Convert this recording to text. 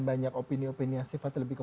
banyak opini opini yang sifatnya lebih ke